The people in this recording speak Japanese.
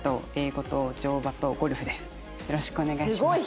よろしくお願いします。